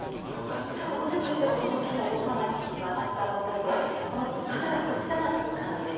ただ後手としてはこの金が４七金と上がったことでこの角が少し狭く感じて少しプレッシャーを。